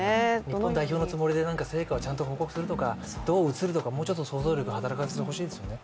日本代表のつもりで成果をちゃんと報告するとか、どう映るのかとか、もうちょっと想像力を働かせてほしいですね。